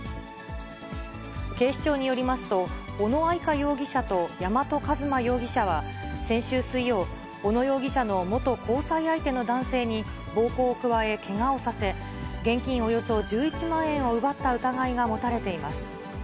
警視庁によりますと、小野愛佳容疑者と山戸一磨容疑者は、先週水曜、小野容疑者の元交際相手の男性に暴行を加え、けがをさせ、現金およそ１１万円を奪った疑いが持たれています。